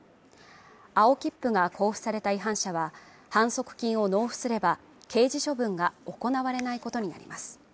青切符が交付された違反者は反則金を納付すれば刑事処分が行われないことになります